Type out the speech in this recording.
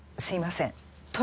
すいません